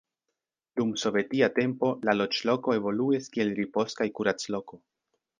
Dum sovetia tempo la loĝloko evoluis kiel ripoz- kaj kurac-loko.